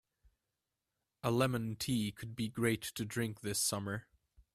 A lemon tea could be great to drink this summer.